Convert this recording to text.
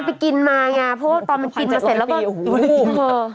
ไปกินมาไงเพราะว่าตอนมันกินมาเสร็จแล้วก็โอ้โห